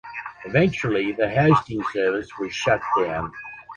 Eventually, the hosting service was shut down.